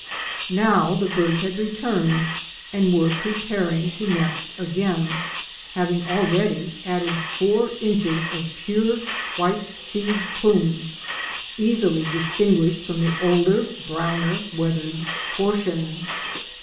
Now the birds had returned and were preparing to nest again, having already added four inches of pure white seed plumes, easily distinguished from the older, browner, weathered portion.